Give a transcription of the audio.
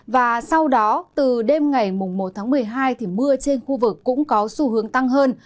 và sau đó từ đêm ngày một tháng một mươi hai thì mưa trên khu vực cũng có xu hướng tăng hơn